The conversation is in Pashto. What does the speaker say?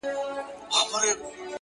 پوهه د فکر تیاره زاویې روښانوي’